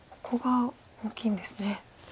ここが大きいんですね。